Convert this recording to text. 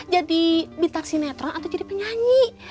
jadi bintang sinetron atau jadi penyanyi